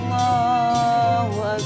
gak usah pak